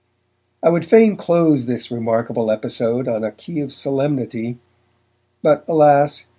I would fain close this remarkable episode on a key of solemnity, but alas!